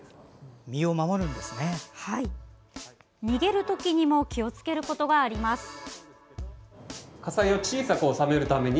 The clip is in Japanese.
逃げるときにも気をつけることがあります。